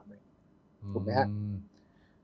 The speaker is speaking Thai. ถูกไหมครับ